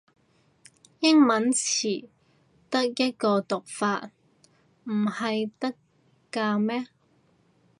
英文詞得一個讀法唔係得咖咩